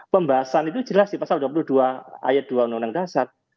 pembahasan itu jelas di pasal dua puluh dua ayat dua undang undang dasar